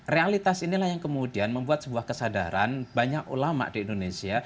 realitas inilah yang kemudian membuat sebuah kesadaran banyak ulama di indonesia